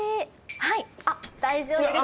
はいあっ大丈夫です。